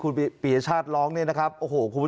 และก็มีการกินยาละลายริ่มเลือดแล้วก็ยาละลายขายมันมาเลยตลอดครับ